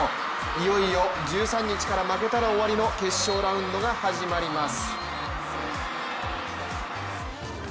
いよいよ１３日から負けたら終わりの決勝ラウンドが始まります。